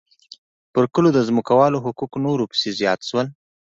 پر کلو د ځمکوالو حقوق نور پسې زیات شول